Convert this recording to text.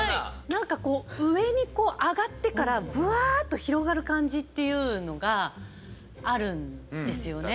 何かこう上に上がってからぶわっと広がる感じっていうのがあるんですよね。